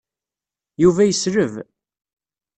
Yuba yesleb.